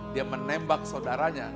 dia menembak saudaranya